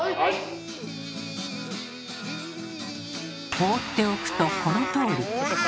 放っておくとこのとおり。